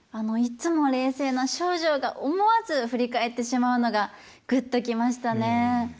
いつも冷静な丞相が思わず振り返ってしまうのがぐっと来ましたね。